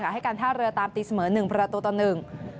ให้การท่าเรือตามตีเสมอหนึ่งประตูต่อหนึ่ง